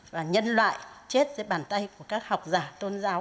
và nhân loại chết dưới bàn tay của các học giả tôn giáo